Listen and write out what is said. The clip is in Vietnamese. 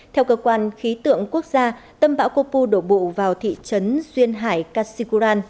theo cơ quan khí tượng quốc gia tâm bão copu đổ bụ vào thị trấn duyên hải cachiguran